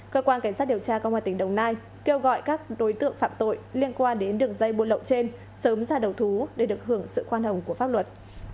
cơ quan cảnh sát điều tra công an tỉnh đồng nai kêu gọi các đối tượng phạm tội liên quan đến đường dây buôn lậu trên sớm ra đầu thú để được hưởng sự khoan hồng của pháp luật